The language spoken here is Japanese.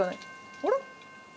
あれ？